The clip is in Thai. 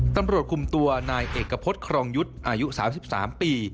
ตำรวจคุมตัวนายเอกพฤษครองยุทธ์อายุ๓๓ปี